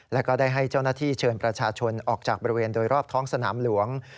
แล้วก็ได้ให้เจ้าหน้าที่เชิญประชาชนออกจากบริเวณโดยรอบท้องสนามหลวง